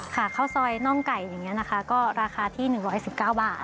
ข้าวซอยน่องไก่อย่างนี้นะคะก็ราคาที่๑๑๙บาท